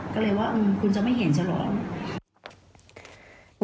ก็เลยว่าคุณจะไม่เห็นจะเหรอ